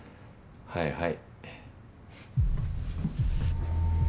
はいはい。